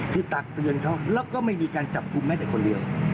คือตักเตือนเขาแล้วก็ไม่มีการจับกลุ่มแม้แต่คนเดียว